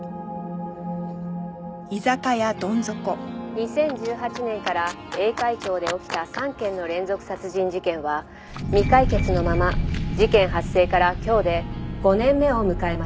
２０１８年から栄海町で起きた３件の連続殺人事件は未解決のまま事件発生から今日で５年目を迎えました。